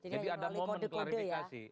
jadi ada momen klarifikasi